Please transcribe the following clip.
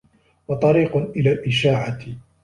وَطَرِيقٌ إلَى الْإِشَاعَةِ